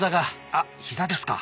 あっ膝ですか？